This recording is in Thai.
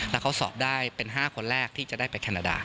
แล้วเขาสอบได้เป็น๕คนแรกที่จะได้ไปแคนาดา